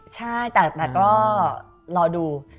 ใช่แต่ก็รอดู